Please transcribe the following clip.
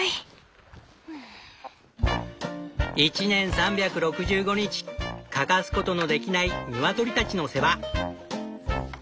一年３６５日欠かすことのできないニワトリたちの世話。